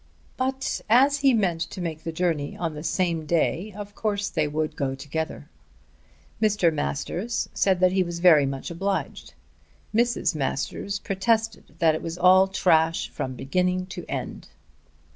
But as he meant to make the journey on the same day of course they would go together. Mr. Masters said that he was very much obliged. Mrs. Masters protested that it was all trash from beginning to the end.